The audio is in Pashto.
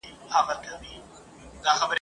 که تعویذ د چا مشکل آسانولای !.